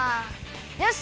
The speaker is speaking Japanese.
よし！